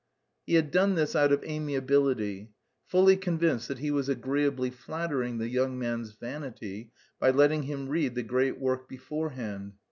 He had done this out of amiability, fully convinced that he was agreeably flattering the young man's vanity by letting him read the great work beforehand.